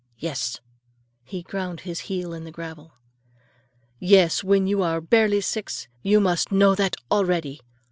Yes,"—he ground his heel in the gravel,—"yes, when you are barely six, you must know that already.